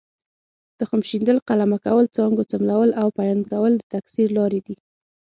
تخم شیندل، قلمه کول، څانګو څملول او پیوند کول د تکثیر لارې دي.